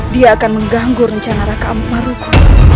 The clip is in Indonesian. dia akan mengganggu rencana raka amat maruku